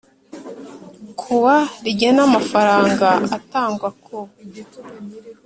ku wa rigena amafaranga atangwa ku